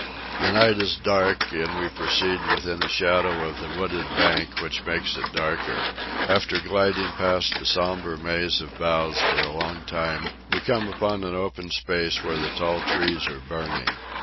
The night is dark, and we proceed within the shadow of the wooded bank, which makes it darker. After gliding past the sombre maze of boughs for a long time, we come upon an open space where the tall trees are burning.